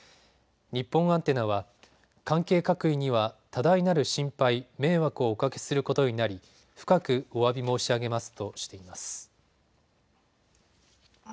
日本アンテナは関係各位には多大なる心配、迷惑をおかけすることになり深くおわび申し上げますとしています。